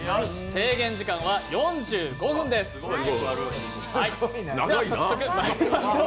制限時間は４５分です、早速まいりましょう。